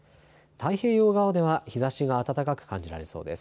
太平洋側では日ざしが暖かく感じられそうです。